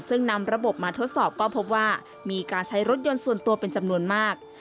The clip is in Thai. ซึ่งนำระบบมาทดสอบก็พบว่ามีการใช้รถยนต์ส่วนตัวเป็นจำนวนมาก